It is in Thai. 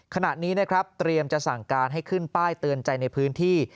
ขณะนี้นะครับเตรียมจะสั่งการให้ขึ้นป้ายเตือนใจในพื้นที่